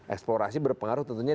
eksplorasi berpengaruh tentunya